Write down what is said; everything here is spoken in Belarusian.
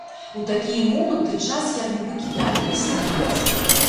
У такія моманты час як бы пакідае існаваць.